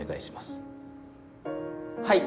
はい。